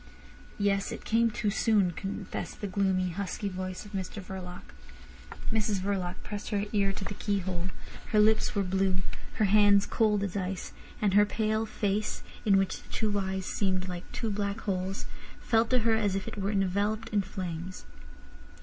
"Yes; it came too soon," confessed the gloomy, husky voice of Mr Verloc. Mrs Verloc pressed her ear to the keyhole; her lips were blue, her hands cold as ice, and her pale face, in which the two eyes seemed like two black holes, felt to her as if it were enveloped in flames.